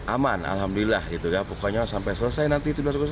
aman alhamdulillah pokoknya sampai selesai nanti